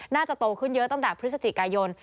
น่าจะโตขึ้นเยอะตั้งแต่พฤศจิกายน